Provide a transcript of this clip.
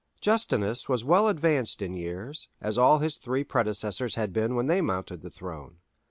Justinus was well advanced in years, as all his three predecessors had been when they mounted the throne.